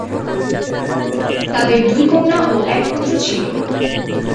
তাদের দুই কন্যা ও এক পুত্র ছিলো।